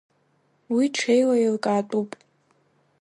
Уи ҽеила еилкаатәуп!